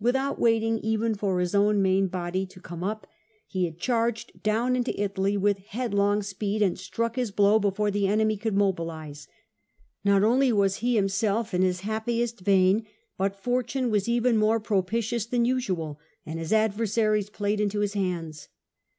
Without waiting even for his own main body to come up, he had charged down into Italy with headlong speed, and struck his blow before the enemy could mobilise. Not only was he himself in his happiest vein, but fortune was even more propitious than usual, and his adversaries played into his hands.